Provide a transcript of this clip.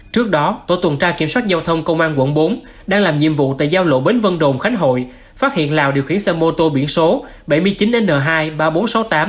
trước đó tổ tuần tra kiểm soát giao thông công an quận bốn đang làm nhiệm vụ tại giao lộ bến vân đồn khánh hội phát hiện lào điều khiển xe mô tô biển số bảy mươi chín n hai ba nghìn bốn trăm sáu mươi tám